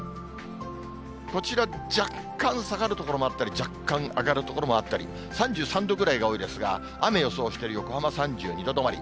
こちら、若干下がる所もあったり、若干上がる所もあったり、３３度ぐらいが多いですが、雨予想してる横浜３２度止まり。